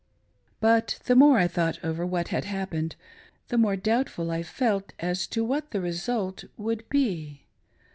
55g But the more I thoiught over what had happened, the more doubtful I felt as to what the result would be.